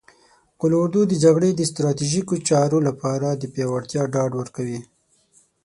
قول اردو د جګړې د ستراتیژیکو چارو لپاره د پیاوړتیا ډاډ ورکوي.